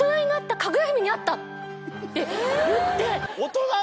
って言って。